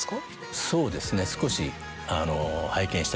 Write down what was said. そうですね。